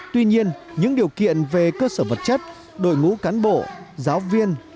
tuy nhiên những điều kiện về cơ sở vật chất đội ngũ cán bộ giáo viên